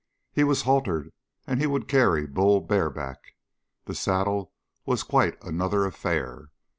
He was haltered and he would carry Bull bareback. The saddle was quite another affair.